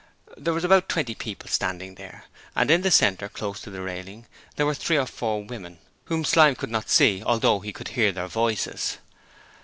There were about twenty people standing there, and in the centre close to the railing there were three or four women whom Slyme could not see although he could hear their voices.